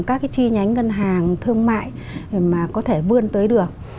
các cái chi nhánh ngân hàng thương mại mà có thể vươn tới được